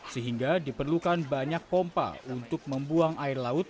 sehingga diperlukan banyak pompa untuk membuang air laut